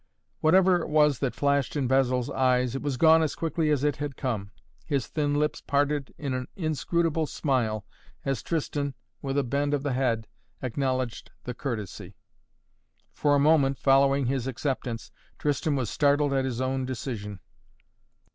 Whatever it was that flashed in Basil's eyes, it was gone as quickly as it had come. His thin lips parted in an inscrutable smile as Tristan, with a bend of the head, acknowledged the courtesy. For a moment, following his acceptance, Tristan was startled at his own decision.